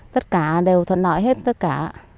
tất cả đều thuận nợi hết tất cả